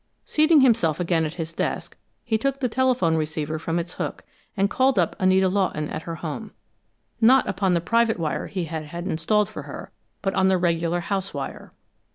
Seating himself again at his desk, he took the telephone receiver from its hook and called up Anita Lawton at her home not upon the private wire he had had installed for her, but on the regular house wire.